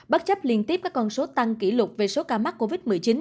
bất chấp liên tiếp các con số tăng kỷ lục về số ca mắc covid một mươi chín